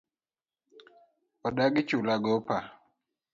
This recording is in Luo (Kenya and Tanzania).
Odagi chulo gopa